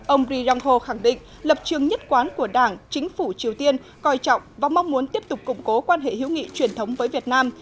ông ri yong ho khẳng định lập trường nhất quán của đảng chính phủ triều tiên coi trọng và mong muốn tiếp tục củng cố quan hệ hữu nghị truyền thống với việt nam